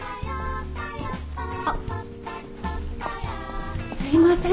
あっすいません